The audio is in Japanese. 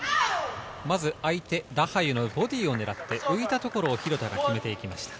まず相手、ラハユのボディーを狙って浮いたところを廣田が決めていきました。